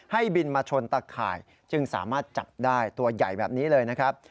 บินมาชนตะข่ายจึงสามารถจับได้ตัวใหญ่แบบนี้เลยนะครับ